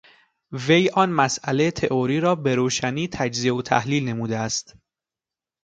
وی آن مسئلهٔ تئوری را بروشنی تجزیه و تحلیل نموده است.